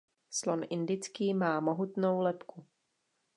Slon indický má mohutnou lebku.